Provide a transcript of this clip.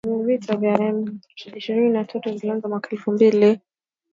Vita vya M Ishirini na tatu vilianza mwaka elfu mbili kumi na mbili